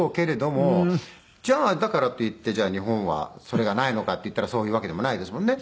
じゃあだからといって日本はそれがないのかっていったらそういうわけでもないですもんね。